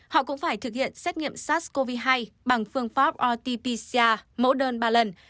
họ cũng phải thực hiện xét nghiệm sars cov hai bằng phương pháp rt pcr mẫu đơn ba lần